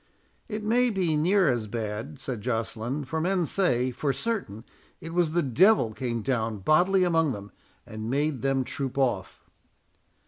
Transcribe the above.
"It may be near as bad," said Joceline, "for men say, for certain, it was the Devil came down bodily among them, and made them troop off."